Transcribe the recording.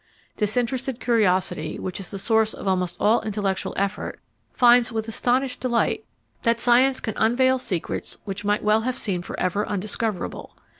Disinterested curiosity, which is the source of almost all intellectual effort, finds with astonished delight that science can unveil secrets which might well have seemed for ever undiscoverable.